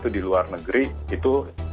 di luar negeri itu